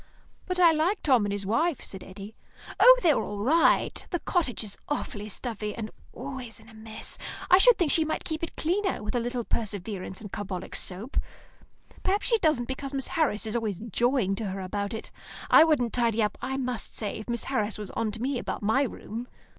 "But I like Tom and his wife," said Eddy. "Oh, they're all right. The cottage is awfully stuffy, and always in a mess. I should think she might keep it cleaner, with a little perseverance and carbolic soap. Perhaps she doesn't because Miss Harris is always jawing to her about it. I wouldn't tidy up, I must say, if Miss Harris was on to me about my room.